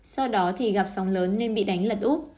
sau đó thì gặp sóng lớn nên bị đánh lật úp